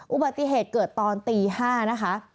อุบัติเหตุเกิดตอนตี๕นะคะ